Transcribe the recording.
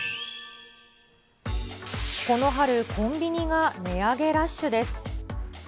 この春、コンビニが値上げラッシュです。